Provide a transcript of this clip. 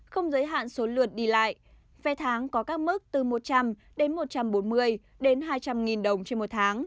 không giới hạn số lượt đi lại vé tháng có các mức từ một trăm linh đến một trăm bốn mươi đến hai trăm linh nghìn đồng trên một tháng